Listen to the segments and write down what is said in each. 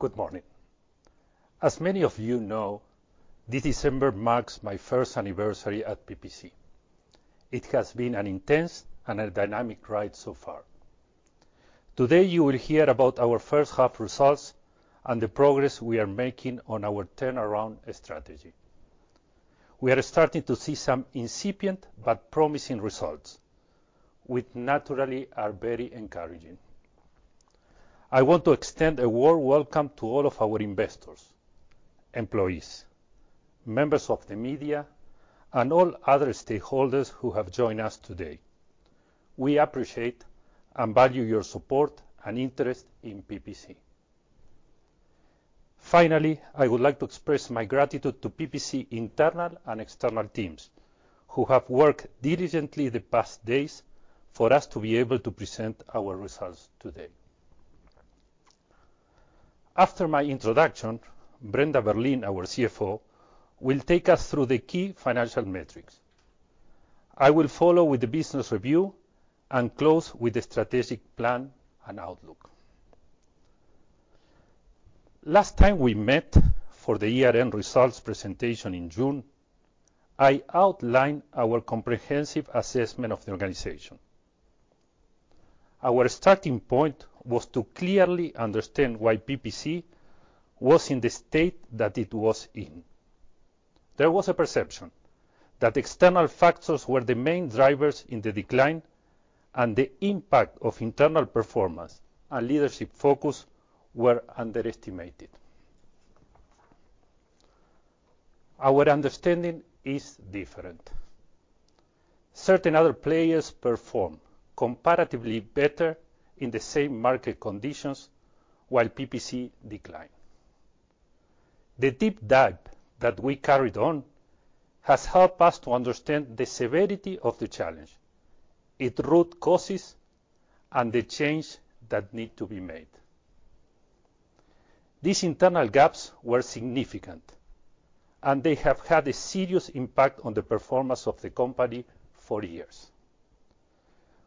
Good morning. As many of you know, this December marks my first anniversary at PPC. It has been an intense and a dynamic ride so far. Today, you will hear about our first-half results and the progress we are making on our turnaround strategy. We are starting to see some incipient but promising results, which naturally are very encouraging. I want to extend a warm welcome to all of our investors, employees, members of the media, and all other stakeholders who have joined us today. We appreciate and value your support and interest in PPC. Finally, I would like to express my gratitude to PPC internal and external teams who have worked diligently the past days for us to be able to present our results today. After my introduction, Brenda Berlin, our CFO, will take us through the key financial metrics. I will follow with the business review and close with the strategic plan and outlook. Last time we met for the year-end results presentation in June, I outlined our comprehensive assessment of the organization. Our starting point was to clearly understand why PPC was in the state that it was in. There was a perception that external factors were the main drivers in the decline, and the impact of internal performance and leadership focus were underestimated. Our understanding is different. Certain other players perform comparatively better in the same market conditions while PPC declined. The deep dive that we carried on has helped us to understand the severity of the challenge, its root causes, and the change that needs to be made. These internal gaps were significant, and they have had a serious impact on the performance of the company for years.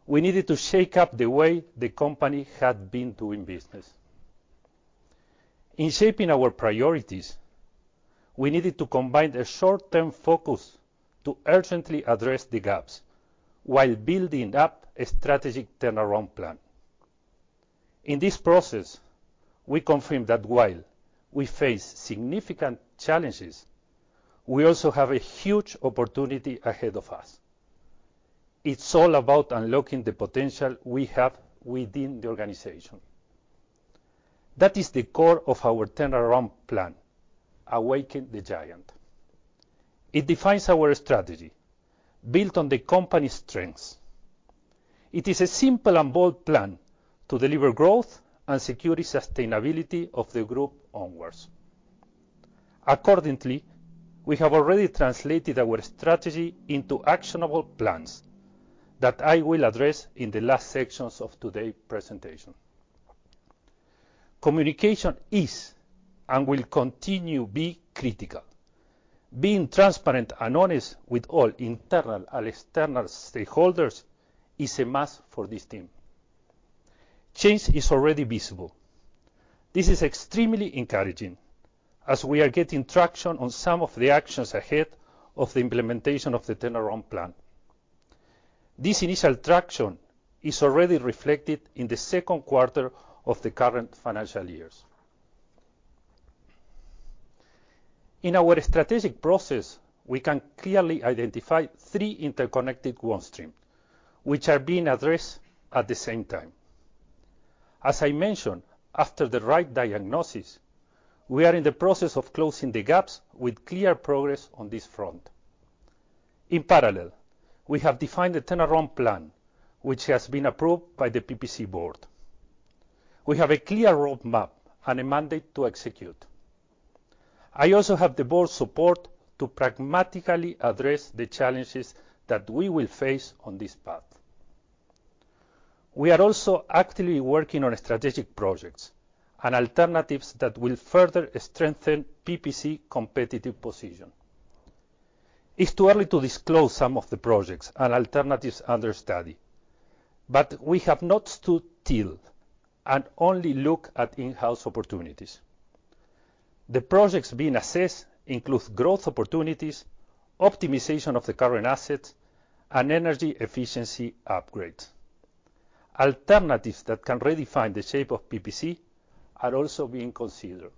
We needed to shake up the way the company had been doing business. In shaping our priorities, we needed to combine a short-term focus to urgently address the gaps while building up a strategic turnaround plan. In this process, we confirmed that while we face significant challenges, we also have a huge opportunity ahead of us. It's all about unlocking the potential we have within the organization. That is the core of our turnaround plan, Awaken the Giant. It defines our strategy, built on the company's strengths. It is a simple and bold plan to deliver growth and secure the sustainability of the group onwards. Accordingly, we have already translated our strategy into actionable plans that I will address in the last sections of today's presentation. Communication is and will continue to be critical. Being transparent and honest with all internal and external stakeholders is a must for this team. Change is already visible. This is extremely encouraging as we are getting traction on some of the actions ahead of the implementation of the turnaround plan. This initial traction is already reflected in the second quarter of the current financial years. In our strategic process, we can clearly identify three interconnected work streams, which are being addressed at the same time. As I mentioned, after the right diagnosis, we are in the process of closing the gaps with clear progress on this front. In parallel, we have defined the turnaround plan, which has been approved by the PPC board. We have a clear roadmap and a mandate to execute. I also have the board's support to pragmatically address the challenges that we will face on this path. We are also actively working on strategic projects and alternatives that will further strengthen PPC's competitive position. It's too early to disclose some of the projects and alternatives under study, but we have not stood still and only look at in-house opportunities. The projects being assessed include growth opportunities, optimization of the current assets, and energy efficiency upgrades. Alternatives that can redefine the shape of PPC are also being considered.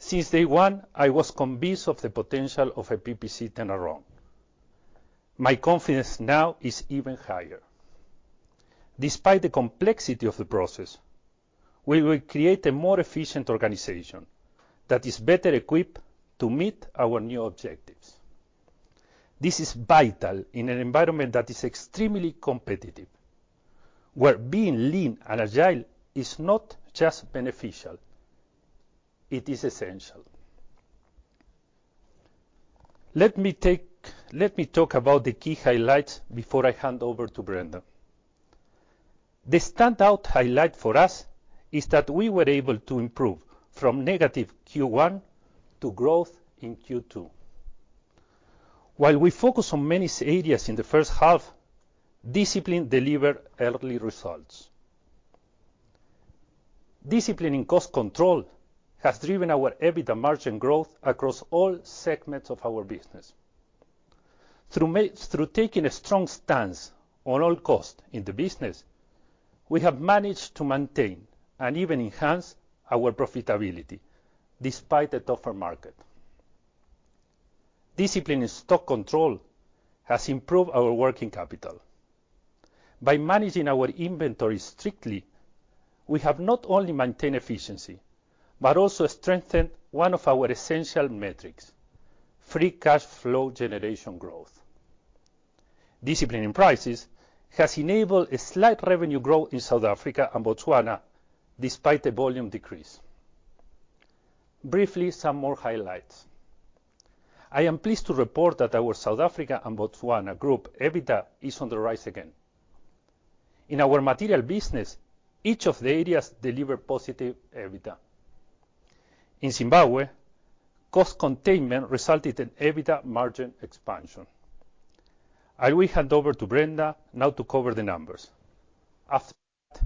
Since day one, I was convinced of the potential of a PPC turnaround. My confidence now is even higher. Despite the complexity of the process, we will create a more efficient organization that is better equipped to meet our new objectives. This is vital in an environment that is extremely competitive, where being lean and agile is not just beneficial. It is essential. Let me talk about the key highlights before I hand over to Brenda. The standout highlight for us is that we were able to improve from negative Q1 to growth in Q2. While we focus on many areas in the first half, discipline delivered early results. Discipline in cost control has driven our EBITDA margin growth across all segments of our business. Through taking a strong stance on all costs in the business, we have managed to maintain and even enhance our profitability despite the tougher market. Discipline in stock control has improved our working capital. By managing our inventory strictly, we have not only maintained efficiency but also strengthened one of our essential metrics: free cash flow generation growth. Discipline in prices has enabled a slight revenue growth in South Africa and Botswana despite the volume decrease. Briefly, some more highlights. I am pleased to report that our South Africa and Botswana group EBITDA is on the rise again. In our material business, each of the areas delivered positive EBITDA. In Zimbabwe, cost containment resulted in EBITDA margin expansion. I will hand over to Brenda now to cover the numbers. After that,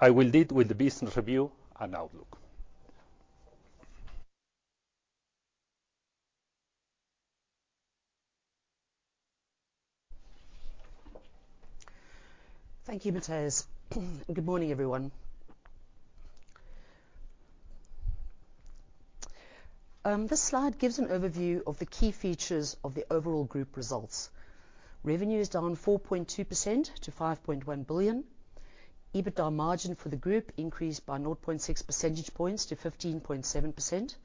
I will lead with the business review and outlook. Thank you, Matias. Good morning, everyone. This slide gives an overview of the key features of the overall group results. Revenue is down 4.2% to 5.1 billion. EBITDA margin for the group increased by 0.6 percentage points to 15.7%.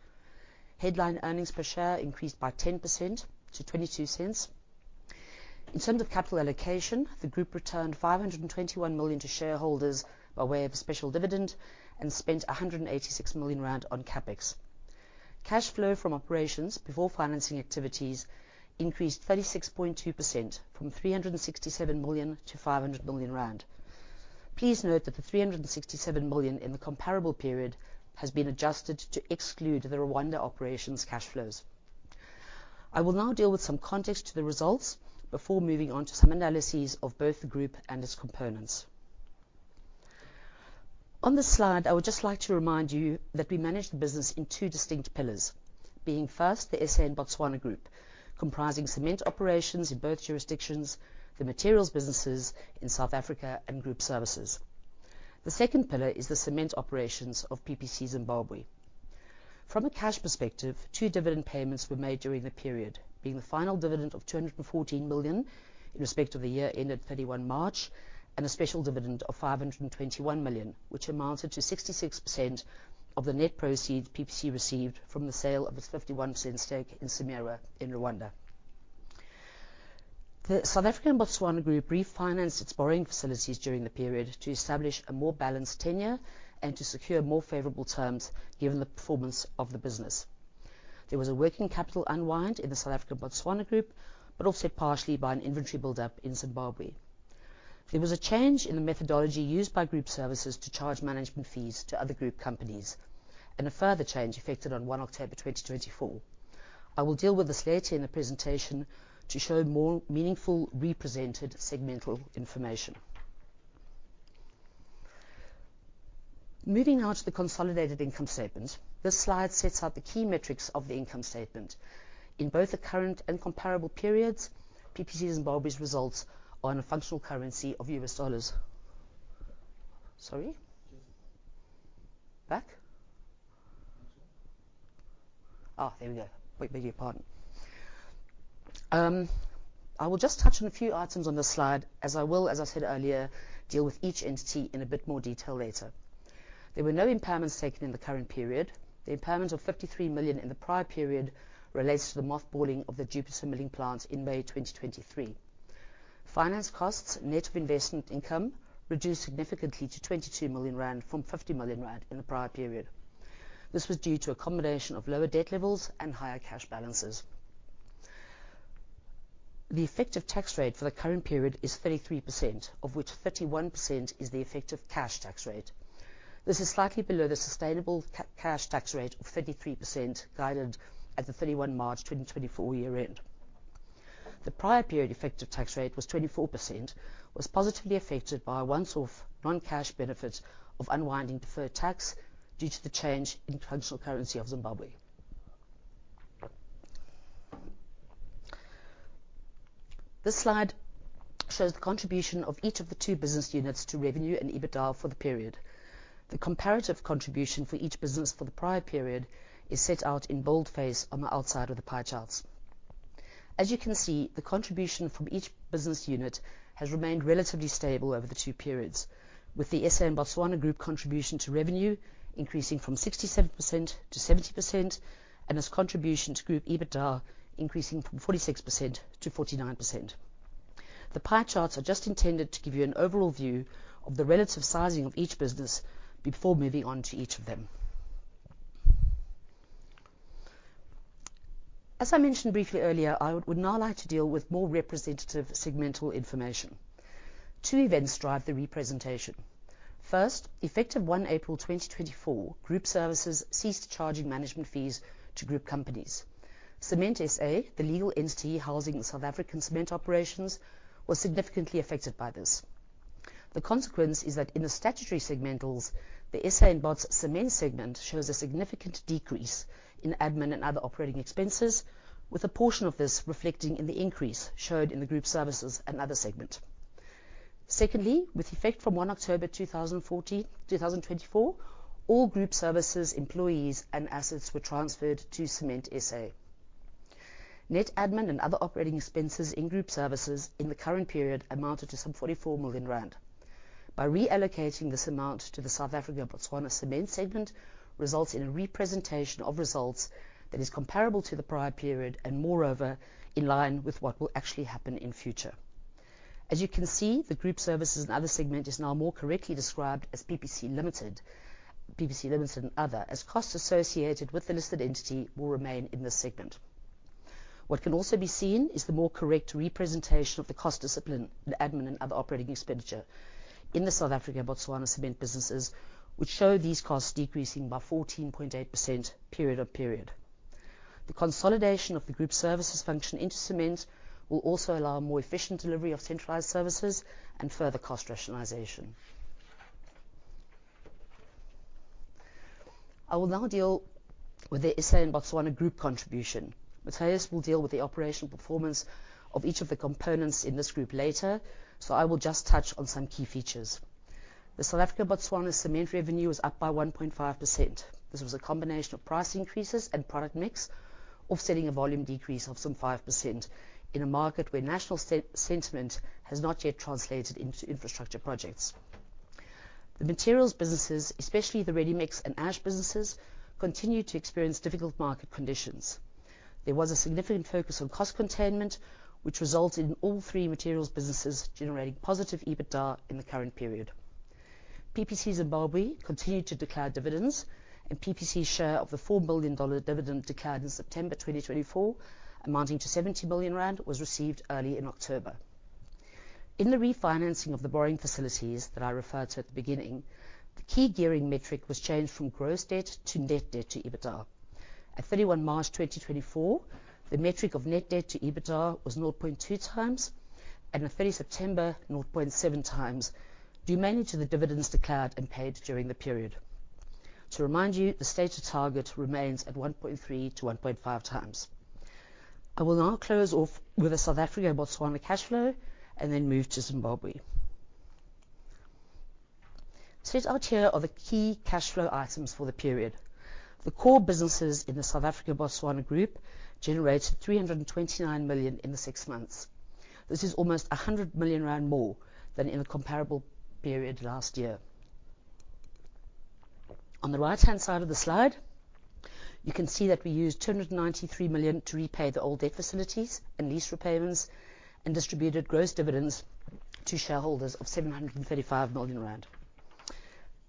Headline earnings per share increased by 10% to 22 cents. In terms of capital allocation, the group returned 521 million to shareholders by way of a special dividend and spent 186 million rand on CapEx. Cash flow from operations before financing activities increased 36.2% from 367 million to 500 million rand. Please note that the 367 million in the comparable period has been adjusted to exclude the Rwanda operations cash flows. I will now deal with some context to the results before moving on to some analyses of both the group and its components. On this slide, I would just like to remind you that we manage the business in two distinct pillars, being first the SA and Botswana group, comprising cement operations in both jurisdictions, the materials businesses in South Africa, and group services. The second pillar is the cement operations of PPC Zimbabwe. From a cash perspective, two dividend payments were made during the period, being the final dividend of 214 million in respect of the year ended 31 March and a special dividend of 521 million, which amounted to 66% of the net proceeds PPC received from the sale of its 51% stake in Cimerwa in Rwanda. The South African Botswana group refinanced its borrowing facilities during the period to establish a more balanced tenure and to secure more favorable terms given the performance of the business. There was a working capital unwind in the South African Botswana group, but also partially by an inventory buildup in Zimbabwe. There was a change in the methodology used by group services to charge management fees to other group companies, and a further change effected on 1 October 2024. I will deal with this later in the presentation to show more meaningful represented segmental information. Moving on to the consolidated income statement, this slide sets out the key metrics of the income statement. In both the current and comparable periods, PPC Zimbabwe's results are in a functional currency of US dollars. Sorry? Back? Oh, there we go. We beg your pardon. I will just touch on a few items on this slide, as I will, as I said earlier, deal with each entity in a bit more detail later. There were no impairments taken in the current period. The impairment of 53 million in the prior period relates to the mothballing of the Jupiter Milling Plant in May 2023. Finance costs, net of investment income, reduced significantly to 22 million rand from 50 million rand in the prior period. This was due to a combination of lower debt levels and higher cash balances. The effective tax rate for the current period is 33%, of which 31% is the effective cash tax rate. This is slightly below the sustainable cash tax rate of 33% guided at the 31 March 2024 year-end. The prior period effective tax rate was 24%, was positively affected by a once-off non-cash benefit of unwinding deferred tax due to the change in the functional currency of Zimbabwe. This slide shows the contribution of each of the two business units to revenue and EBITDA for the period. The comparative contribution for each business for the prior period is set out in boldface on the outside of the pie charts. As you can see, the contribution from each business unit has remained relatively stable over the two periods, with the SA and Botswana group contribution to revenue increasing from 67% to 70% and its contribution to group EBITDA increasing from 46% to 49%. The pie charts are just intended to give you an overall view of the relative sizing of each business before moving on to each of them. As I mentioned briefly earlier, I would now like to deal with more representative segmental information. Two events drive the representation. First, effective 1 April 2024, group services ceased charging management fees to group companies. Cement SA, the legal entity housing South African cement operations, was significantly affected by this. The consequence is that in the statutory segmentals, the SA and Bots cement segment shows a significant decrease in admin and other operating expenses, with a portion of this reflecting in the increase showed in the group services and other segment. Secondly, with effect from 1 October 2024, all group services employees and assets were transferred to Cement SA. Net admin and other operating expenses in group services in the current period amounted to some 44 million rand. By reallocating this amount to the South Africa Botswana cement segment, results in a representation of results that is comparable to the prior period and, moreover, in line with what will actually happen in future. As you can see, the group services and other segment is now more correctly described as PPC Limited, PPC Limited and other, as costs associated with the listed entity will remain in this segment. What can also be seen is the more correct representation of the cost discipline and admin and other operating expenditure in the South Africa Botswana cement businesses, which show these costs decreasing by 14.8% period on period. The consolidation of the group services function into cement will also allow more efficient delivery of centralized services and further cost rationalization. I will now deal with the SA and Botswana group contribution. Matias will deal with the operational performance of each of the components in this group later, so I will just touch on some key features. The South Africa Botswana cement revenue is up by 1.5%. This was a combination of price increases and product mix, offsetting a volume decrease of some 5% in a market where national sentiment has not yet translated into infrastructure projects. The materials businesses, especially the ready mix and ash businesses, continue to experience difficult market conditions. There was a significant focus on cost containment, which resulted in all three materials businesses generating positive EBITDA in the current period. PPC Zimbabwe continued to declare dividends, and PPC's share of the $4 billion dividend declared in September 2024, amounting to 70 million rand, was received early in October. In the refinancing of the borrowing facilities that I referred to at the beginning, the key gearing metric was changed from gross debt to net debt to EBITDA. At 31 March 2024, the metric of net debt to EBITDA was 0.2x, and at 30 September, 0.7x, due mainly to the dividends declared and paid during the period. To remind you, the stated target remains at 1.3 to 1.5x. I will now close off with the South Africa Botswana cash flow and then move to Zimbabwe. Set out here are the key cash flow items for the period. The core businesses in the South Africa Botswana group generated 329 million in the six months. This is almost 100 million rand more than in the comparable period last year. On the right-hand side of the slide, you can see that we used 293 million to repay the old debt facilities and lease repayments and distributed gross dividends to shareholders of 735 million rand.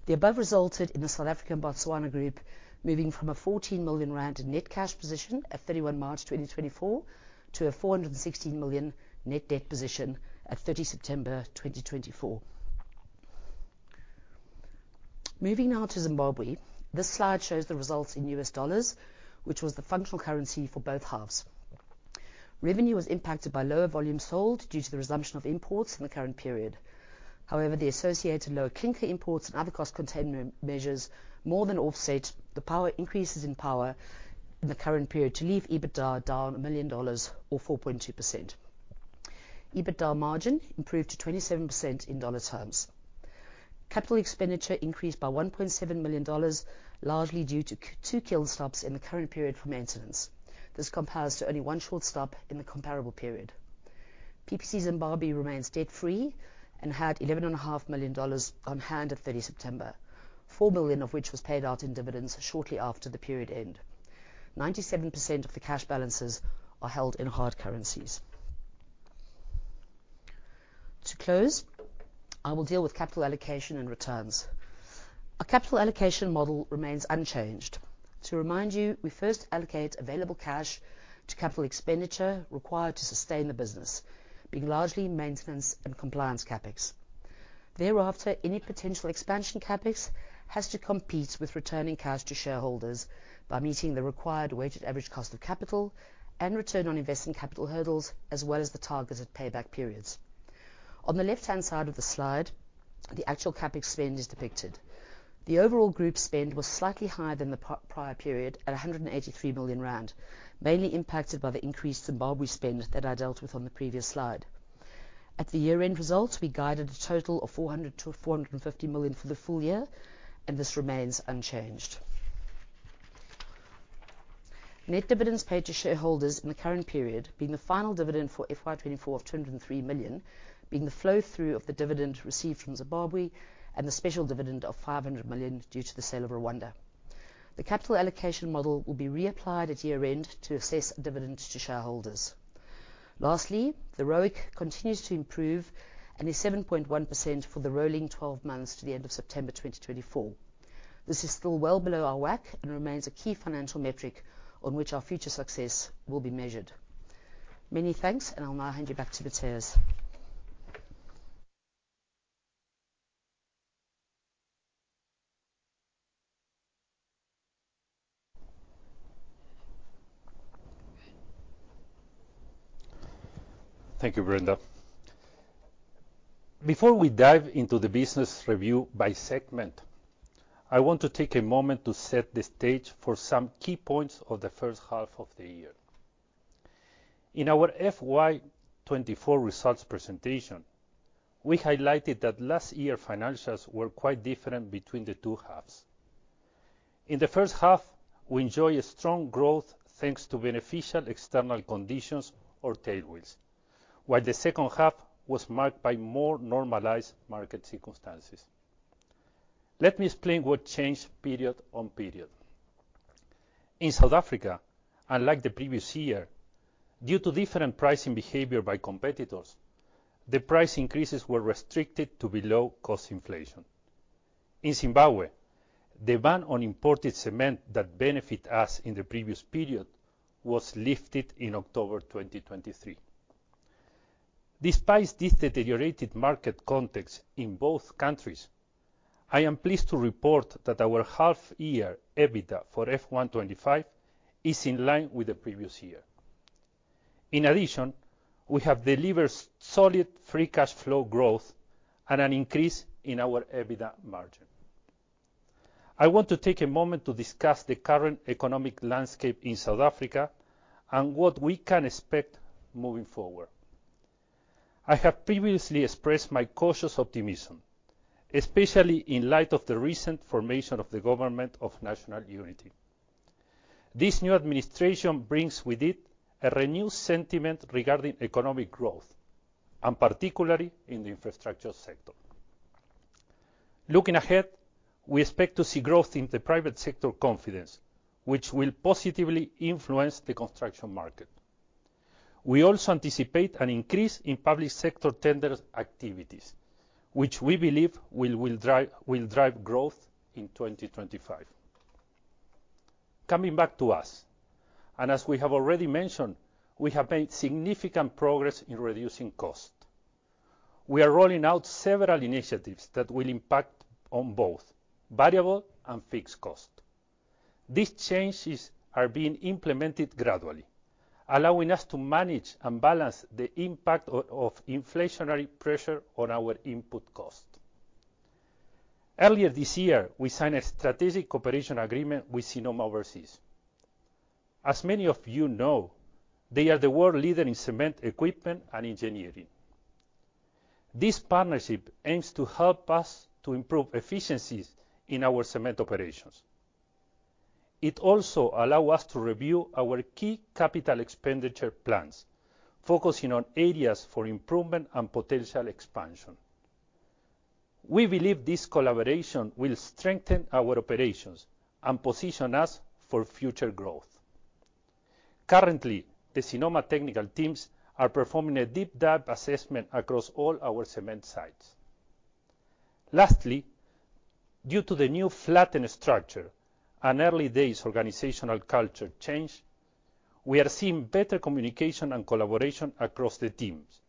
The above resulted in the South Africa Botswana group moving from a 14 million rand net cash position at 31 March 2024 to a 416 million net debt position at 30 September 2024. Moving now to Zimbabwe, this slide shows the results in US dollars, which was the functional currency for both halves. Revenue was impacted by lower volume sold due to the resumption of imports in the current period. However, the associated lower clinker imports and other cost containment measures more than offset the power increases in the current period to leave EBITDA down $1 million or 4.2%. EBITDA margin improved to 27% in dollar terms. Capital expenditure increased by $1.7 million, largely due to two kiln stops in the current period for maintenance. This compares to only one short stop in the comparable period. PPC Zimbabwe remains debt-free and had $11.5 million on hand at 30 September, $4 million of which was paid out in dividends shortly after the period end. 97% of the cash balances are held in hard currencies. To close, I will deal with capital allocation and returns. Our capital allocation model remains unchanged. To remind you, we first allocate available cash to capital expenditure required to sustain the business, being largely maintenance and compliance CapEx. Thereafter, any potential expansion CapEx has to compete with returning cash to shareholders by meeting the required weighted average cost of capital and return on invested capital hurdles, as well as the targeted payback periods. On the left-hand side of the slide, the actual CapEx spend is depicted. The overall group spend was slightly higher than the prior period at 183 million rand, mainly impacted by the increased Zimbabwe spend that I dealt with on the previous slide. At the year-end results, we guided a total of 400 million-450 million for the full year, and this remains unchanged. Net dividends paid to shareholders in the current period, being the final dividend for FY 2024 of 203 million, being the flow-through of the dividend received from Zimbabwe and the special dividend of 500 million due to the sale of Rwanda. The capital allocation model will be reapplied at year-end to assess dividends to shareholders. Lastly, the ROIC continues to improve and is 7.1% for the rolling 12 months to the end of September 2024. This is still well below our WACC and remains a key financial metric on which our future success will be measured. Many thanks, and I'll now hand you back to Matias. Thank you, Brenda. Before we dive into the business review by segment, I want to take a moment to set the stage for some key points of the first half of the year. In our FY 2024 results presentation, we highlighted that last year financials were quite different between the two halves. In the first half, we enjoyed strong growth thanks to beneficial external conditions or tailwinds, while the second half was marked by more normalized market circumstances. Let me explain what changed period on period. In South Africa, unlike the previous year, due to different pricing behavior by competitors, the price increases were restricted to below cost inflation. In Zimbabwe, the ban on imported cement that benefited us in the previous period was lifted in October 2023. Despite this deteriorated market context in both countries, I am pleased to report that our half-year EBITDA for FY 2025 is in line with the previous year. In addition, we have delivered solid free cash flow growth and an increase in our EBITDA margin. I want to take a moment to discuss the current economic landscape in South Africa and what we can expect moving forward. I have previously expressed my cautious optimism, especially in light of the recent formation of the government of national unity. This new administration brings with it a renewed sentiment regarding economic growth, and particularly in the infrastructure sector. Looking ahead, we expect to see growth in the private sector confidence, which will positively influence the construction market. We also anticipate an increase in public sector tender activities, which we believe will drive growth in 2025. Coming back to us, and as we have already mentioned, we have made significant progress in reducing cost. We are rolling out several initiatives that will impact on both variable and fixed cost. These changes are being implemented gradually, allowing us to manage and balance the impact of inflationary pressure on our input cost. Earlier this year, we signed a strategic cooperation agreement with Sinoma Overseas. As many of you know, they are the world leader in cement equipment and engineering. This partnership aims to help us to improve efficiencies in our cement operations. It also allows us to review our key capital expenditure plans, focusing on areas for improvement and potential expansion. We believe this collaboration will strengthen our operations and position us for future growth. Currently, the Sinoma technical teams are performing a deep dive assessment across all our cement sites. Lastly, due to the new flattened structure and early days' organizational culture change, we are seeing better communication and collaboration across the teams,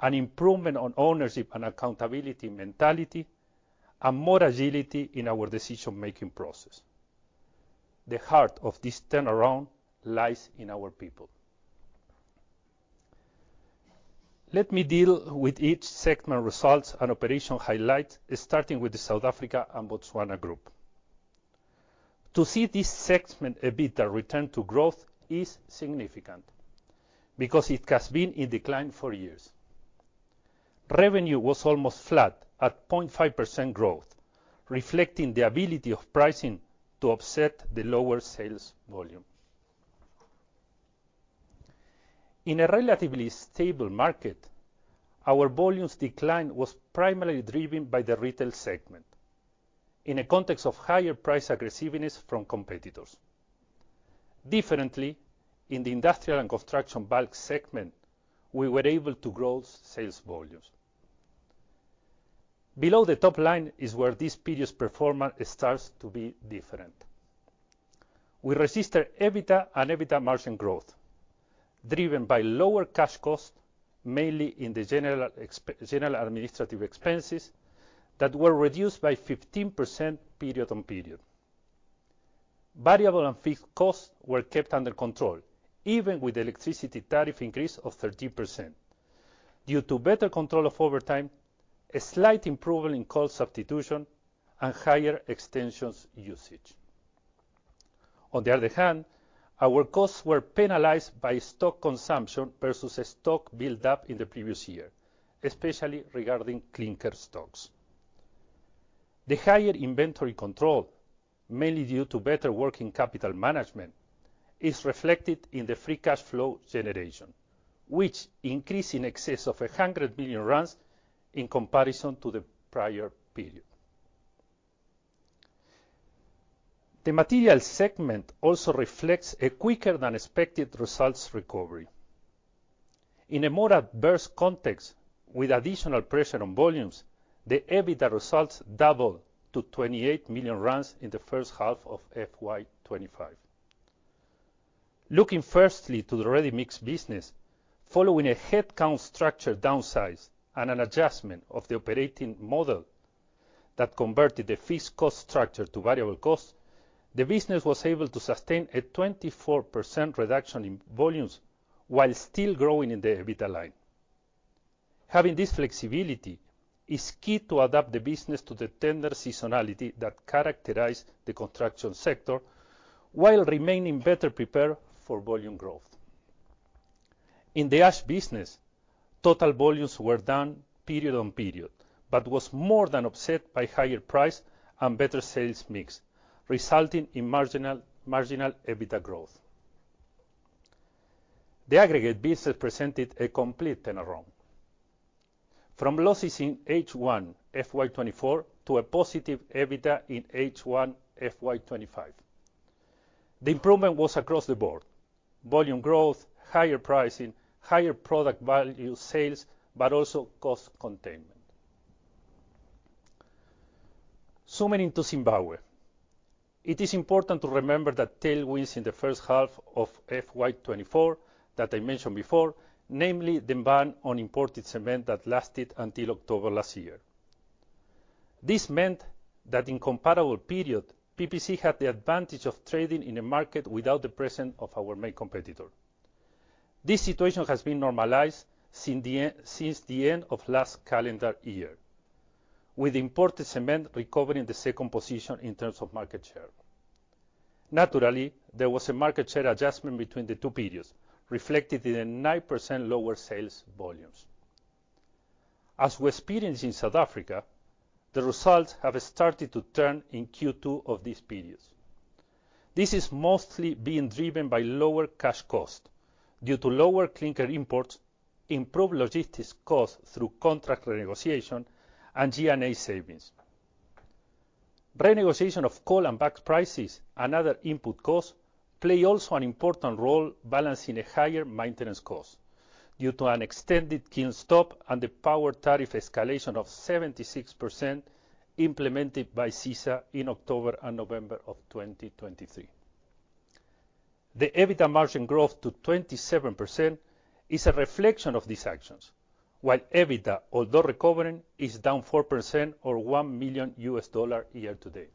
an improvement on ownership and accountability mentality, and more agility in our decision-making process. The heart of this turnaround lies in our people. Let me deal with each segment results and operation highlights, starting with the South Africa and Botswana group. To see this segment EBITDA return to growth is significant because it has been in decline for years. Revenue was almost flat at 0.5% growth, reflecting the ability of pricing to offset the lower sales volume. In a relatively stable market, our volumes' decline was primarily driven by the retail segment in a context of higher price aggressiveness from competitors. Differently, in the industrial and construction bulk segment, we were able to grow sales volumes. Below the top line is where this period's performance starts to be different. We register EBITDA and EBITDA margin growth, driven by lower cash cost, mainly in the general administrative expenses, that were reduced by 15% period on period. Variable and fixed costs were kept under control, even with the electricity tariff increase of 13%, due to better control of overtime, a slight improvement in cost substitution, and higher extensions usage. On the other hand, our costs were penalized by stock consumption versus stock build-up in the previous year, especially regarding clinker stocks. The higher inventory control, mainly due to better working capital management, is reflected in the free cash flow generation, which increased in excess of 100 million in comparison to the prior period. The material segment also reflects a quicker-than-expected results recovery. In a more adverse context, with additional pressure on volumes, the EBITDA results doubled to 28 million in the first half of FY 2025. Looking firstly to the ready mix business, following a headcount structure downsize and an adjustment of the operating model that converted the fixed cost structure to variable cost, the business was able to sustain a 24% reduction in volumes while still growing in the EBITDA line. Having this flexibility is key to adapt the business to the tender seasonality that characterized the construction sector while remaining better prepared for volume growth. In the ash business, total volumes were down period on period, but were more than offset by higher price and better sales mix, resulting in marginal EBITDA growth. The aggregate business presented a complete turnaround, from losses in H1 FY 2024 to a positive EBITDA in H1 FY 2025. The improvement was across the board: volume growth, higher pricing, higher product value sales, but also cost containment. Zooming into Zimbabwe, it is important to remember that tailwinds in the first half of FY 2024 that I mentioned before, namely the ban on imported cement that lasted until October last year. This meant that in comparable period, PPC had the advantage of trading in a market without the presence of our main competitor. This situation has been normalized since the end of last calendar year, with imported cement recovering the second position in terms of market share. Naturally, there was a market share adjustment between the two periods, reflected in a 9% lower sales volumes. As we're experiencing in South Africa, the results have started to turn in Q2 of these periods. This is mostly being driven by lower cash cost due to lower clinker imports, improved logistics costs through contract renegotiation, and G&A savings. Renegotiation of coal and bulk prices, another input cost, plays also an important role balancing a higher maintenance cost due to an extended kiln stop and the power tariff escalation of 76% implemented by ZESA in October and November of 2023. The EBITDA margin growth to 27% is a reflection of these actions, while EBITDA, although recovering, is down 4% or $1 million year-to-date.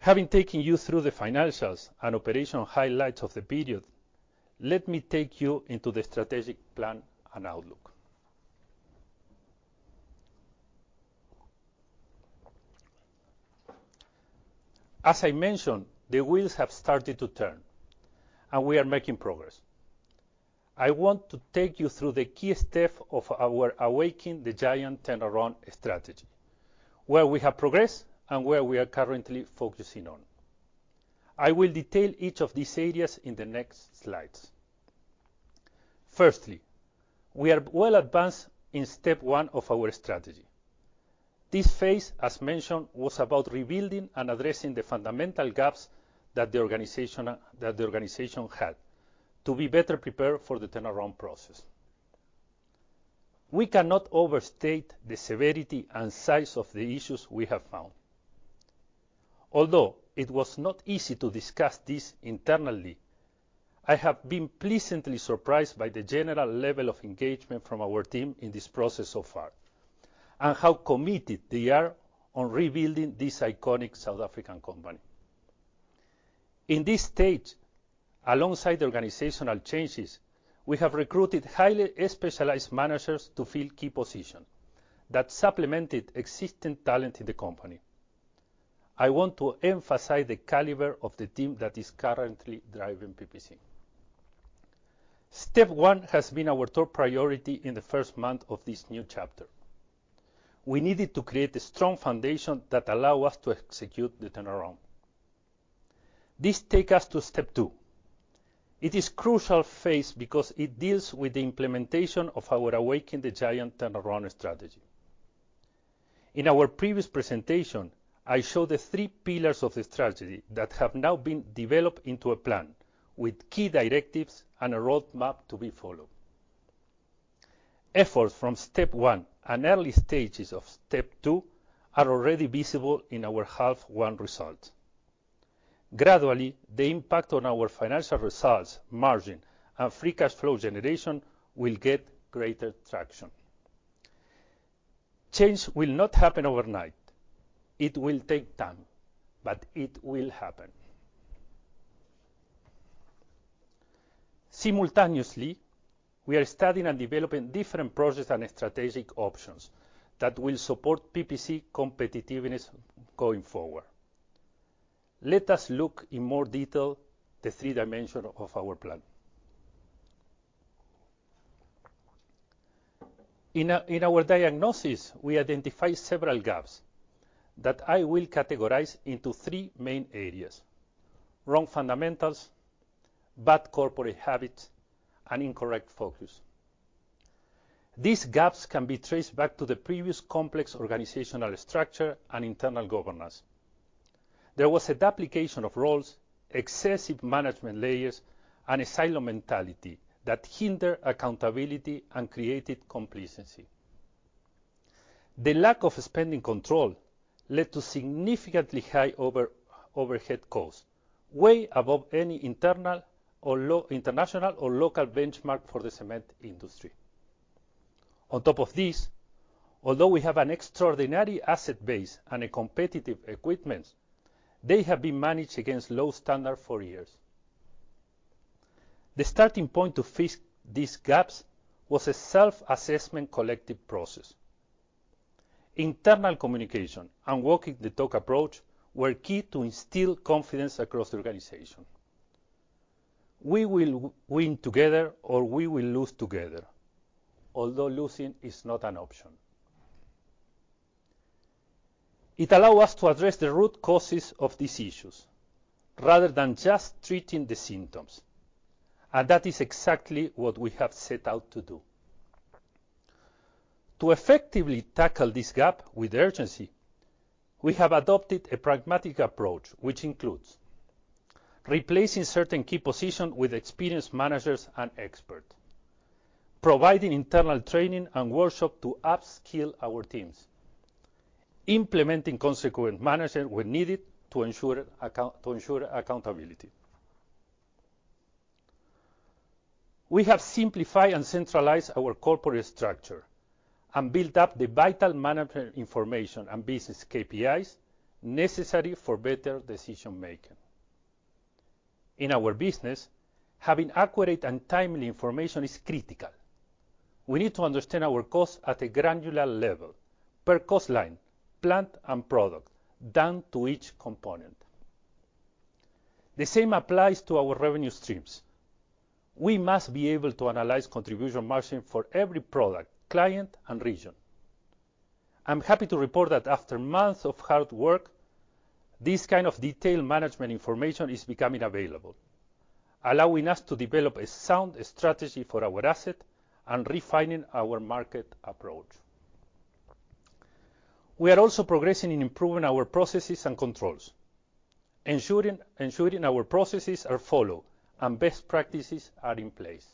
Having taken you through the financials and operational highlights of the period, let me take you into the strategic plan and outlook. As I mentioned, the wheels have started to turn, and we are making progress. I want to take you through the key steps of our Awaken the Giant turnaround strategy, where we have progressed and where we are currently focusing on. I will detail each of these areas in the next slides. Firstly, we are well advanced in step one of our strategy. This phase, as mentioned, was about rebuilding and addressing the fundamental gaps that the organization had to be better prepared for the turnaround process. We cannot overstate the severity and size of the issues we have found. Although it was not easy to discuss this internally, I have been pleasantly surprised by the general level of engagement from our team in this process so far, and how committed they are on rebuilding this iconic South African company. In this stage, alongside the organizational changes, we have recruited highly specialized managers to fill key positions that supplemented existing talent in the company. I want to emphasize the caliber of the team that is currently driving PPC. Step one has been our top priority in the first month of this new chapter. We needed to create a strong foundation that allows us to execute the turnaround. This takes us to step two. It is a crucial phase because it deals with the implementation of our Awaken the Giant turnaround strategy. In our previous presentation, I showed the three pillars of the strategy that have now been developed into a plan with key directives and a roadmap to be followed. Efforts from step one and early stages of step two are already visible in our half-one results. Gradually, the impact on our financial results, margin, and free cash flow generation will get greater traction. Change will not happen overnight. It will take time, but it will happen. Simultaneously, we are studying and developing different processes and strategic options that will support PPC competitiveness going forward. Let us look in more detail at the three dimensions of our plan. In our diagnosis, we identified several gaps that I will categorize into three main areas: wrong fundamentals, bad corporate habits, and incorrect focus. These gaps can be traced back to the previous complex organizational structure and internal governance. There was a duplication of roles, excessive management layers, and a silo mentality that hindered accountability and created complacency. The lack of spending control led to significantly high overhead costs, way above any international or local benchmark for the cement industry. On top of this, although we have an extraordinary asset base and competitive equipment, they have been managed against low standards for years. The starting point to fix these gaps was a self-assessment collective process. Internal communication and walking the talk approach were key to instill confidence across the organization. We will win together, or we will lose together, although losing is not an option. It allows us to address the root causes of these issues rather than just treating the symptoms, and that is exactly what we have set out to do. To effectively tackle this gap with urgency, we have adopted a pragmatic approach, which includes replacing certain key positions with experienced managers and experts, providing internal training and workshops to upskill our teams, and implementing consequent management when needed to ensure accountability. We have simplified and centralized our corporate structure and built up the vital management information and business KPIs necessary for better decision-making. In our business, having accurate and timely information is critical. We need to understand our costs at a granular level, per cost line, plant and product, down to each component. The same applies to our revenue streams. We must be able to analyze contribution margin for every product, client, and region. I'm happy to report that after months of hard work, this kind of detailed management information is becoming available, allowing us to develop a sound strategy for our assets and refining our market approach. We are also progressing in improving our processes and controls, ensuring our processes are followed and best practices are in place.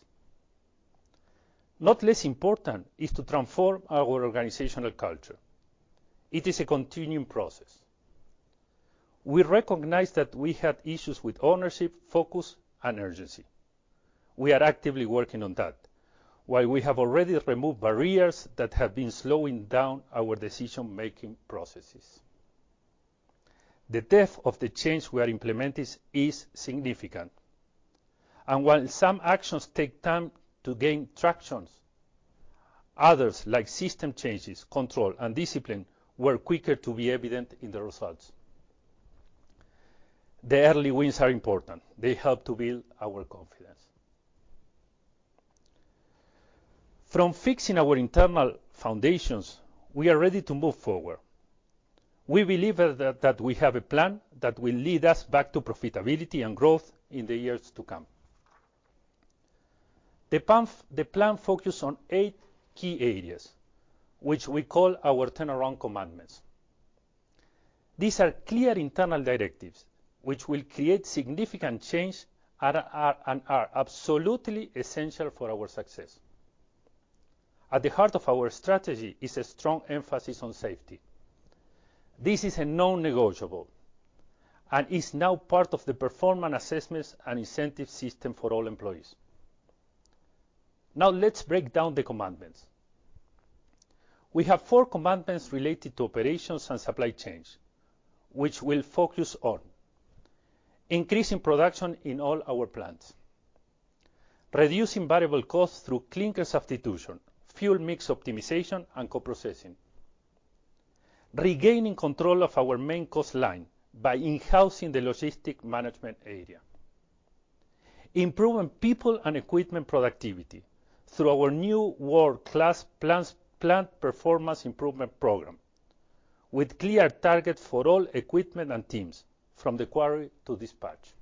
Not less important is to transform our organizational culture. It is a continuing process. We recognize that we had issues with ownership, focus, and urgency. We are actively working on that, while we have already removed barriers that have been slowing down our decision-making processes. The depth of the change we are implementing is significant, and while some actions take time to gain traction, others, like system changes, control, and discipline, were quicker to be evident in the results. The early wins are important. They help to build our confidence. From fixing our internal foundations, we are ready to move forward. We believe that we have a plan that will lead us back to profitability and growth in the years to come. The plan focuses on eight key areas, which we call our turnaround commandments. These are clear internal directives which will create significant change and are absolutely essential for our success. At the heart of our strategy is a strong emphasis on safety. This is a non-negotiable and is now part of the performance assessments and incentive system for all employees. Now, let's break down the commandments. We have four commandments related to operations and supply chains, which we'll focus on: increasing production in all our plants, reducing variable costs through clinker substitution, fuel mix optimization, and co-processing, regaining control of our main cost line by in-housing the logistic management area, improving people and equipment productivity through our new world-class plant performance improvement program with clear targets for all equipment and teams, from the quarry to dispatch,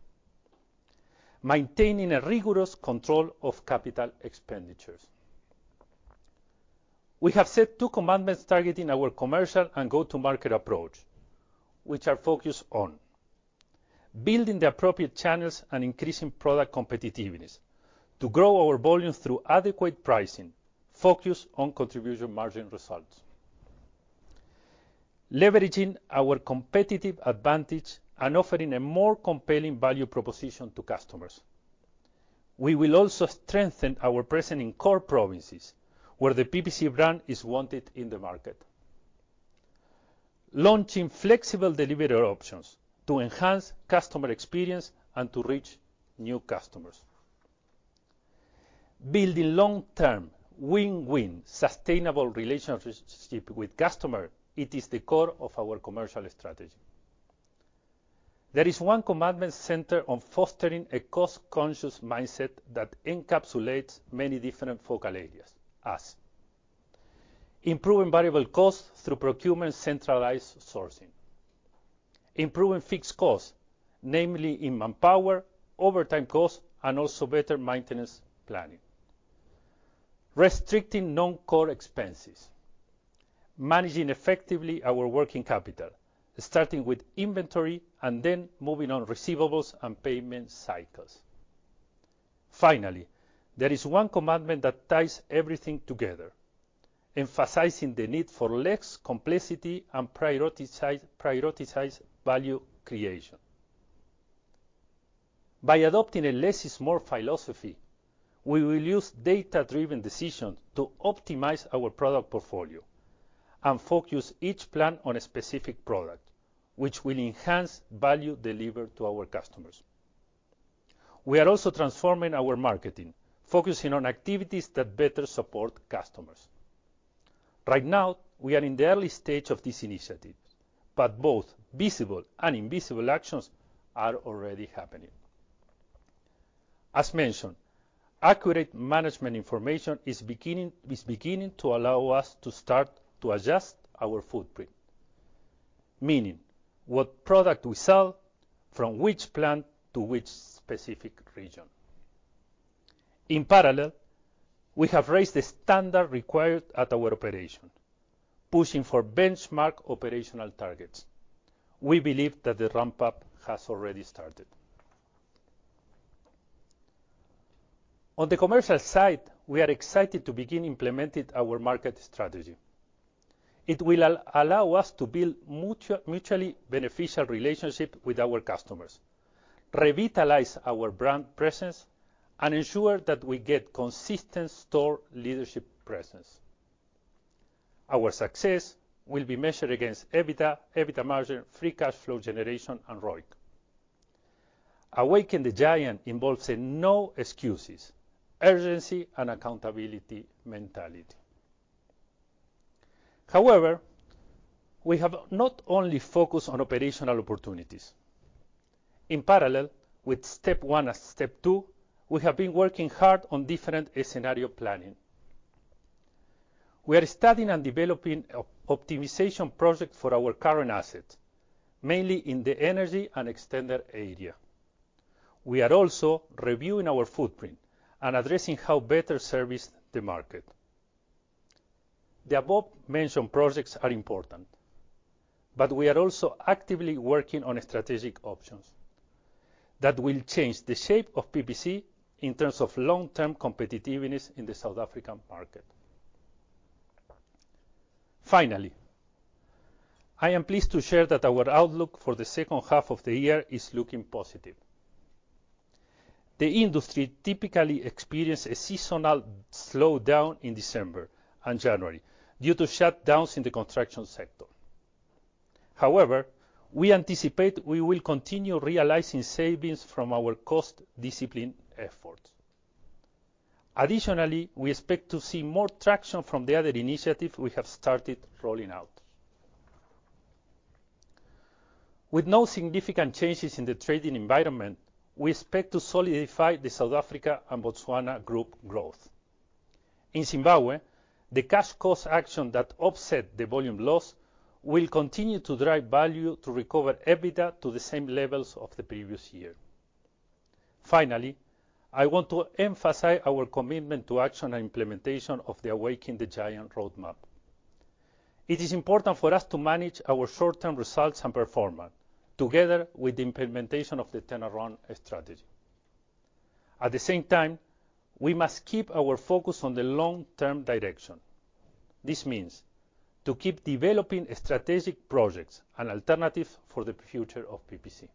and maintaining rigorous control of capital expenditures. We have set two commandments targeting our commercial and go-to-market approach, which are focused on building the appropriate channels and increasing product competitiveness to grow our volumes through adequate pricing focused on contribution margin results, leveraging our competitive advantage and offering a more compelling value proposition to customers. We will also strengthen our presence in core provinces where the PPC brand is wanted in the market, launching flexible delivery options to enhance customer experience and to reach new customers. Building long-term, win-win sustainable relationships with customers is the core of our commercial strategy. There is one commandment centered on fostering a cost-conscious mindset that encapsulates many different focal areas, as improving variable costs through procurement centralized sourcing, improving fixed costs, namely in manpower, overtime costs, and also better maintenance planning, restricting non-core expenses, and managing effectively our working capital, starting with inventory and then moving on receivables and payment cycles. Finally, there is one commandment that ties everything together, emphasizing the need for less complexity and prioritized value creation. By adopting a less-small philosophy, we will use data-driven decisions to optimize our product portfolio and focus each plan on a specific product, which will enhance value delivered to our customers. We are also transforming our marketing, focusing on activities that better support customers. Right now, we are in the early stage of this initiative, but both visible and invisible actions are already happening. As mentioned, accurate management information is beginning to allow us to start to adjust our footprint, meaning what product we sell, from which plant to which specific region. In parallel, we have raised the standard required at our operation, pushing for benchmark operational targets. We believe that the ramp-up has already started. On the commercial side, we are excited to begin implementing our market strategy. It will allow us to build mutually beneficial relationships with our customers, revitalize our brand presence, and ensure that we get consistent store leadership presence. Our success will be measured against EBITDA, EBITDA margin, free cash flow generation, and ROIC. Awaken the Giant involves no excuses, urgency, and accountability mentality. However, we have not only focused on operational opportunities. In parallel with step one and step two, we have been working hard on different scenario planning. We are studying and developing optimization projects for our current assets, mainly in the energy and extended area. We are also reviewing our footprint and addressing how better service the market. The above-mentioned projects are important, but we are also actively working on strategic options that will change the shape of PPC in terms of long-term competitiveness in the South African market. Finally, I am pleased to share that our outlook for the second half of the year is looking positive. The industry typically experiences a seasonal slowdown in December and January due to shutdowns in the construction sector. However, we anticipate we will continue realizing savings from our cost-discipline efforts. Additionally, we expect to see more traction from the other initiatives we have started rolling out. With no significant changes in the trading environment, we expect to solidify the South Africa and Botswana group growth. In Zimbabwe, the cash cost action that offsets the volume loss will continue to drive value to recover EBITDA to the same levels of the previous year. Finally, I want to emphasize our commitment to action and implementation of the Awaken the Giant roadmap. It is important for us to manage our short-term results and performance together with the implementation of the turnaround strategy. At the same time, we must keep our focus on the long-term direction. This means to keep developing strategic projects and alternatives for the future of PPC.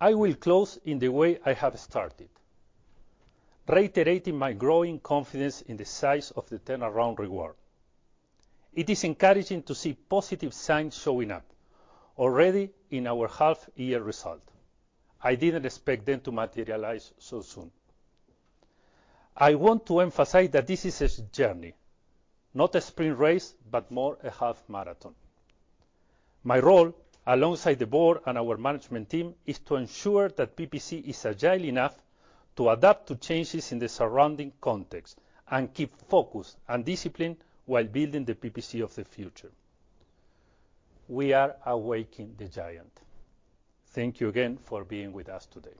I will close in the way I have started, reiterating my growing confidence in the size of the turnaround reward. It is encouraging to see positive signs showing up already in our half-year result. I didn't expect them to materialize so soon. I want to emphasize that this is a journey, not a sprint race, but more a half marathon. My role alongside the board and our management team is to ensure that PPC is agile enough to adapt to changes in the surrounding context and keep focus and discipline while building the PPC of the future. We are Awakening the Giant. Thank you again for being with us today.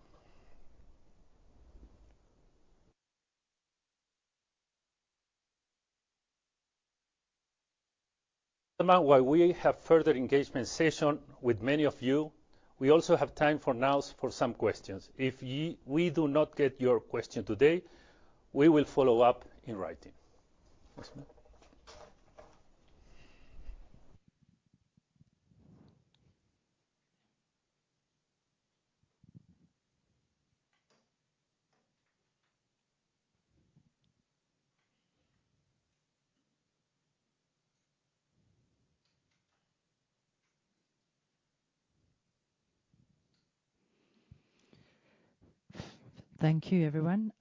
While we have further engagement sessions with many of you, we also have time for now for some questions. If we do not get your question today, we will follow up in writing. Thank you, everyone.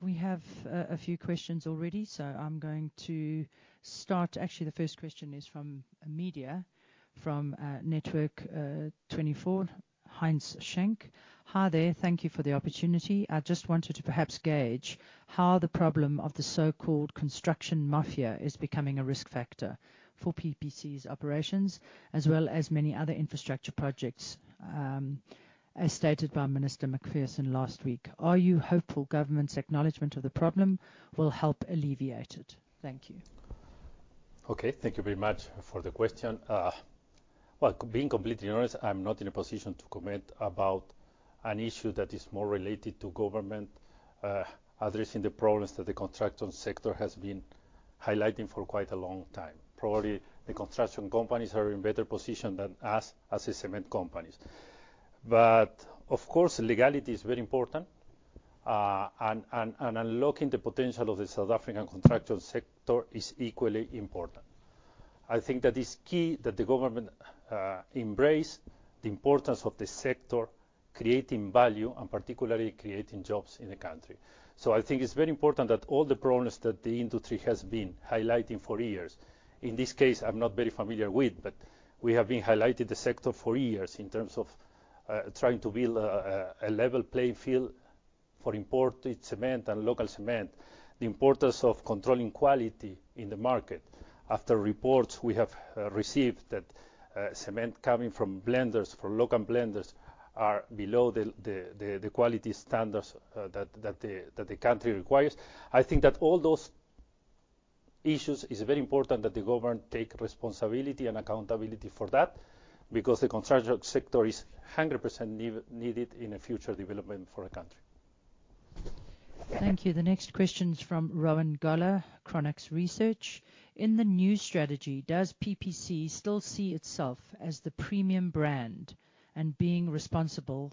We have a few questions already, so I'm going to start. Actually, the first question is from a media from Netwerk24, Heinz Schenk. Hi there. Thank you for the opportunity. I just wanted to perhaps gauge how the problem of the so-called construction mafia is becoming a risk factor for PPC's operations, as well as many other infrastructure projects, as stated by Minister Macpherson last week. Are you hopeful government's acknowledgment of the problem will help alleviate it? Thank you. Okay. Thank you very much for the question. Well, being completely honest, I'm not in a position to comment about an issue that is more related to government addressing the problems that the construction sector has been highlighting for quite a long time. Probably the construction companies are in a better position than us as cement companies. But of course, legality is very important, and unlocking the potential of the South African construction sector is equally important. I think that it's key that the government embrace the importance of the sector, creating value, and particularly creating jobs in the country. So I think it's very important that all the problems that the industry has been highlighting for years, in this case, I'm not very familiar with, but we have been highlighting the sector for years in terms of trying to build a level playing field for imported cement and local cement, the importance of controlling quality in the market. After reports we have received that cement coming from local blenders are below the quality standards that the country requires, I think that all those issues are very important that the government take responsibility and accountability for that because the construction sector is 100% needed in future development for the country. Thank you. The next question is from Rowan Goeller, Chronux Research. In the new strategy, does PPC still see itself as the premium brand and being responsible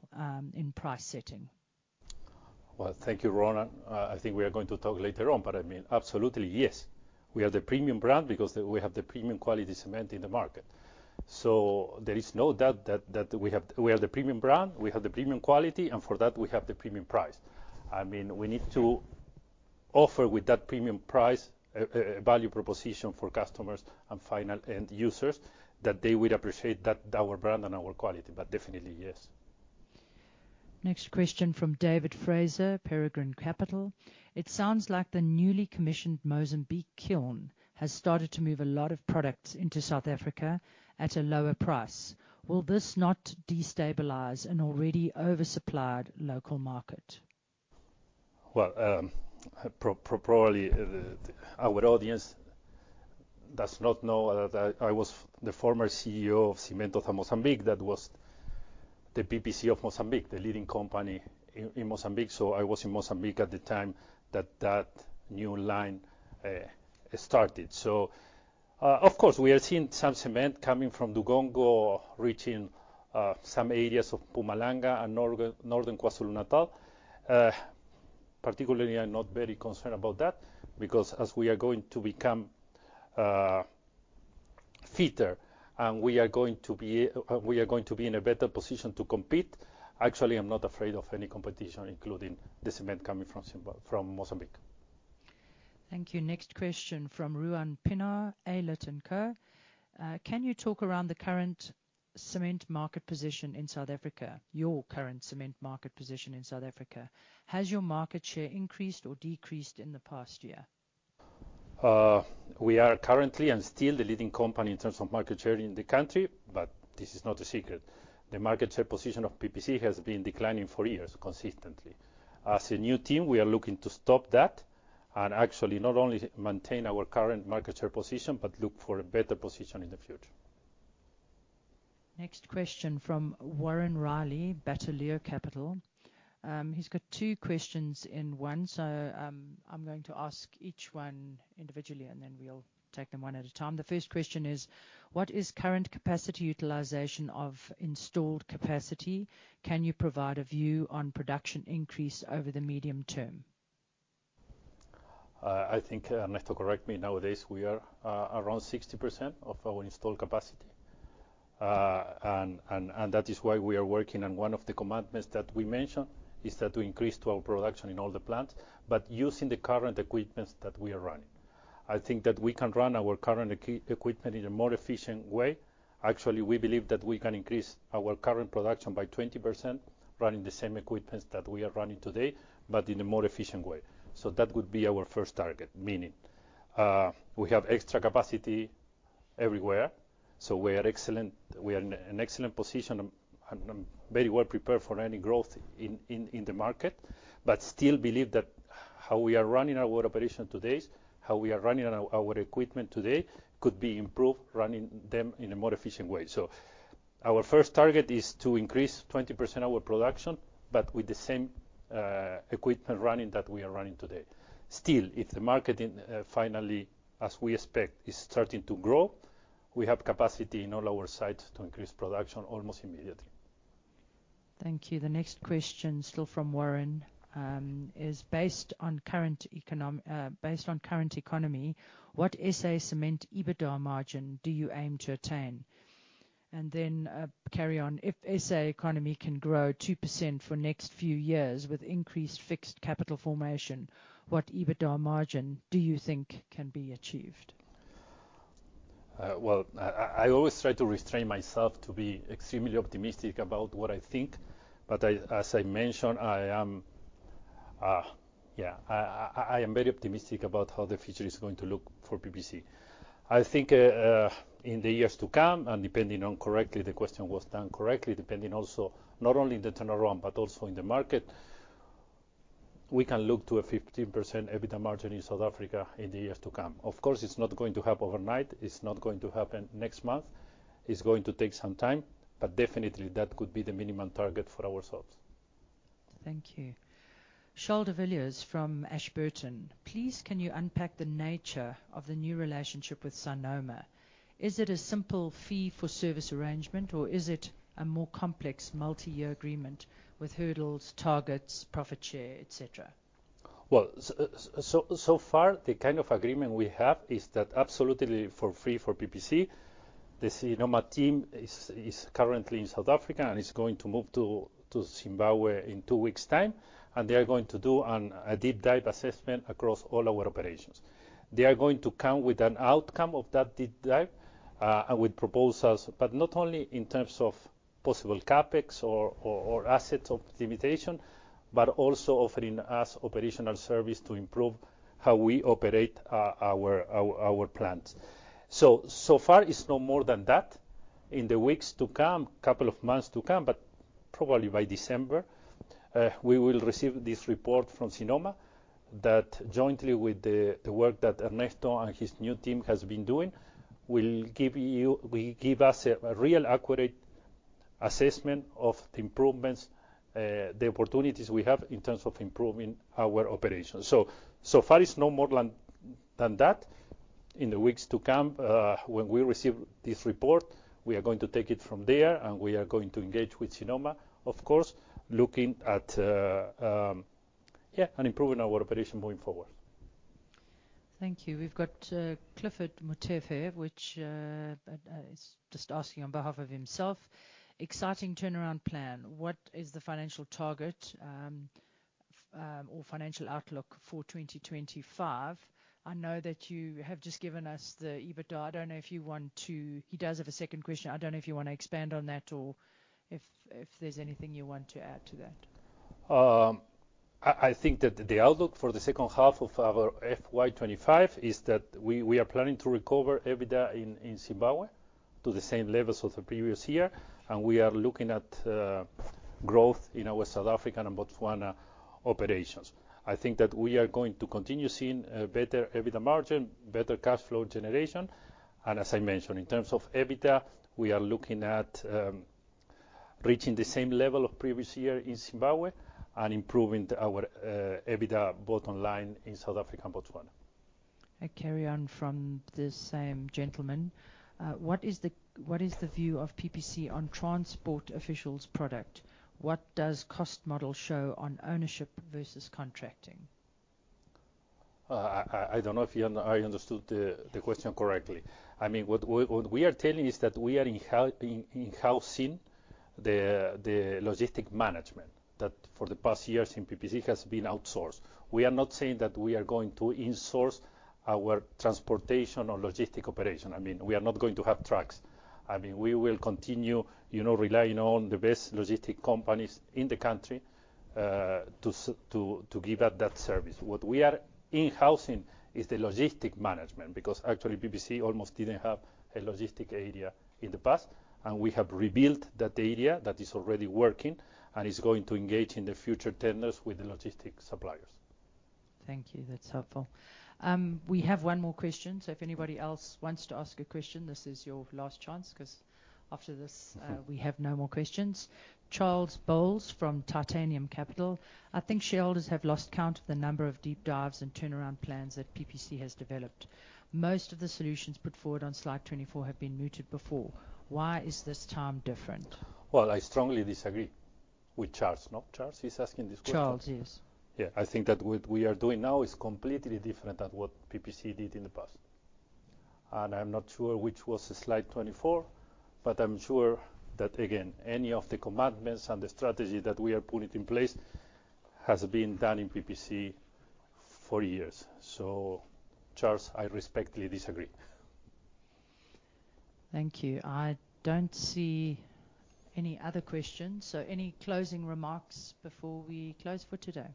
in price setting? Thank you, Rowan. I think we are going to talk later on, but I mean, absolutely, yes. We are the premium brand because we have the premium quality cement in the market. So there is no doubt that we are the premium brand, we have the premium quality, and for that, we have the premium price. I mean, we need to offer with that premium price a value proposition for customers and users that they would appreciate our brand and our quality. But definitely, yes. Next question from David Fraser, Peregrine Capital. It sounds like the newly commissioned Mozambique kiln has started to move a lot of products into South Africa at a lower price. Will this not destabilize an already oversupplied local market? Probably our audience does not know that I was the former CEO of Cimentos de Moçambique that was the PPC of Mozambique, the leading company in Mozambique. So of course, we are seeing some cement coming from Dugongo reaching some areas of Mpumalanga and northern KwaZulu-Natal. Particularly, I'm not very concerned about that because as we are going to become fitter and we are going to be in a better position to compete. Actually, I'm not afraid of any competition, including the cement coming from Mozambique. Thank you. Next question from Ruwan Pienaar, Aylett & Co. Can you talk around the current cement market position in South Africa, your current cement market position in South Africa? Has your market share increased or decreased in the past year? We are currently and still the leading company in terms of market share in the country, but this is not a secret. The market share position of PPC has been declining for years consistently. As a new team, we are looking to stop that and actually not only maintain our current market share position, but look for a better position in the future. Next question from Warren Riley, Bateleur Capital. He's got two questions in one, so I'm going to ask each one individually, and then we'll take them one at a time. The first question is, what is current capacity utilization of installed capacity? Can you provide a view on production increase over the medium term? I think, and to correct me, nowadays we are around 60% of our installed capacity, and that is why we are working, and one of the commandments that we mentioned is that we increase our production in all the plants, but using the current equipment that we are running. I think that we can run our current equipment in a more efficient way. Actually, we believe that we can increase our current production by 20% running the same equipment that we are running today, but in a more efficient way, so that would be our first target, meaning we have extra capacity everywhere, so we are in an excellent position and very well prepared for any growth in the market, but still believe that how we are running our operation today, how we are running our equipment today could be improved running them in a more efficient way. Our first target is to increase 20% of our production, but with the same equipment running that we are running today. Still, if the market finally, as we expect, is starting to grow, we have capacity in all our sites to increase production almost immediately. Thank you. The next question still from Warren is based on current economy. What SA cement EBITDA margin do you aim to attain? And then carry on. If SA economy can grow 2% for next few years with increased fixed capital formation, what EBITDA margin do you think can be achieved? I always try to restrain myself to be extremely optimistic about what I think. As I mentioned, I am very optimistic about how the future is going to look for PPC. I think in the years to come, and depending on correctly, the execution was done correctly, depending also not only on the turnaround, but also on the market, we can look to a 15% EBITDA margin in South Africa in the years to come. Of course, it's not going to happen overnight. It's not going to happen next month. It's going to take some time, but definitely that could be the minimum target for ourselves. Thank you. Charl de Villiers from Ashburton. Please, can you unpack the nature of the new relationship with Sinoma? Is it a simple fee-for-service arrangement, or is it a more complex multi-year agreement with hurdles, targets, profit share, etc.? So far, the kind of agreement we have is that absolutely for free for PPC. The Sinoma team is currently in South Africa and is going to move to Zimbabwe in two weeks' time. They are going to do a deep dive assessment across all our operations. They are going to come with an outcome of that deep dive with proposals, but not only in terms of possible CapEx or asset utilization, but also offering us operational services to improve how we operate our plants. It's no more than that. In the weeks to come, a couple of months to come, but probably by December, we will receive this report from Sinoma that jointly with the work that Ernesto and his new team have been doing, will give us a real accurate assessment of the improvements, the opportunities we have in terms of improving our operations. So far it's no more than that. In the weeks to come, when we receive this report, we are going to take it from there and we are going to engage with Sinoma, of course, looking at, yeah, and improving our operation going forward. Thank you. We've got Clifford Mutevhe, which is just asking on behalf of himself. Exciting turnaround plan. What is the financial target or financial outlook for 2025? I know that you have just given us the EBITDA. I don't know if you want to. He does have a second question. I don't know if you want to expand on that or if there's anything you want to add to that. I think that the outlook for the second half of our FY 2025 is that we are planning to recover EBITDA in Zimbabwe to the same levels of the previous year. And we are looking at growth in our South African and Botswana operations. I think that we are going to continue seeing a better EBITDA margin, better cash flow generation. And as I mentioned, in terms of EBITDA, we are looking at reaching the same level of previous year in Zimbabwe and improving our EBITDA bottom line in South Africa and Botswana. I carry on from this same gentleman. What is the view of PPC on transport of finished product? What does cost model show on ownership versus contracting? I don't know if I understood the question correctly. I mean, what we are telling is that we are in-house in the logistics management that for the past years in PPC has been outsourced. We are not saying that we are going to insource our transportation or logistics operation. I mean, we are not going to have trucks. I mean, we will continue relying on the best logistics companies in the country to give that service. What we are in-housing is the logistics management because actually PPC almost didn't have a logistics area in the past, and we have rebuilt that area that is already working and is going to engage in the future tenders with the logistics suppliers. Thank you. That's helpful. We have one more question. So if anybody else wants to ask a question, this is your last chance because after this, we have no more questions. Charles Bowles from Titanium Capital. I think shareholders have lost count of the number of deep dives and turnaround plans that PPC has developed. Most of the solutions put forward on slide 24 have been mooted before. Why is this time different? I strongly disagree with Charles. No, Charles is asking this question. Charles, yes. Yeah. I think that what we are doing now is completely different than what PPC did in the past, and I'm not sure which was slide 24, but I'm sure that, again, any of the commandments and the strategy that we are putting in place has been done in PPC for years, so Charles, I respectfully disagree. Thank you. I don't see any other questions. So any closing remarks before we close for today?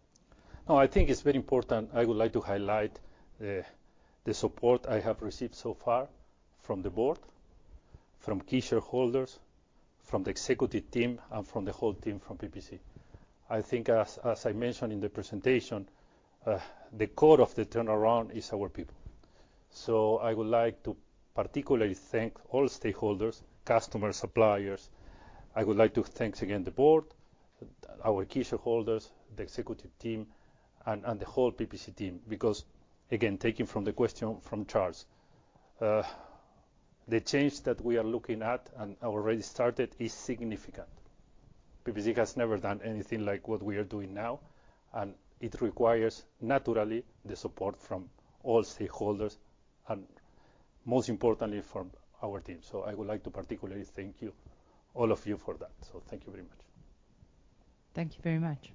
No, I think it's very important. I would like to highlight the support I have received so far from the board, from key shareholders, from the executive team, and from the whole team from PPC. I think, as I mentioned in the presentation, the core of the turnaround is our people. So I would like to particularly thank all stakeholders, customers, suppliers. I would like to thank again the board, our key shareholders, the executive team, and the whole PPC team because, again, taking from the question from Charles, the change that we are looking at and already started is significant. PPC has never done anything like what we are doing now. And it requires, naturally, the support from all stakeholders and most importantly from our team. So I would like to particularly thank you, all of you, for that. So thank you very much. Thank you very much.